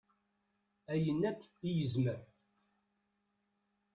Ayen akk i yezmer.